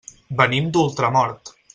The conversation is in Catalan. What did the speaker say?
Venim d'Ultramort.